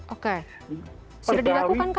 oke sudah dilakukan kapan